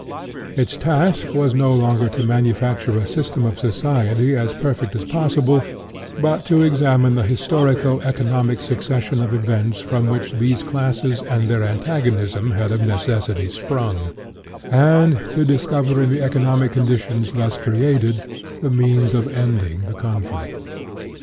Its task was no longer to manufacture a system of society as perfect as possible, but to examine the historico economic succession of events from which these classes and their antagonism had of necessity sprung, and to discover in the 92 SOCIALISM economic conditions thus created the means of ending the conflict.